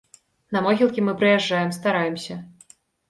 На могілкі мы прыязджаем, стараемся.